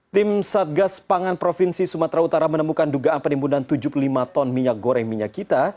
tim satgas pangan provinsi sumatera utara menemukan dugaan penimbunan tujuh puluh lima ton minyak goreng minyak kita